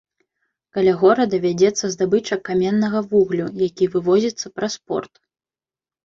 Каля горада вядзецца здабыча каменнага вуглю, які вывозіцца праз порт.